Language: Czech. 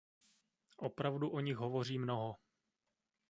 Opravdu o nich hovoří mnoho.